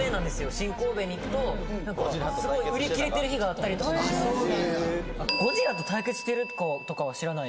新神戸に行くとすごい売り切れてる日があったりとかもしますし知らない！？